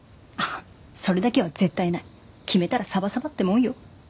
それだけは絶対ない決めたらサバサバってもんよ